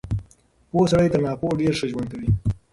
پوه سړی تر ناپوهه ډېر ښه ژوند کوي.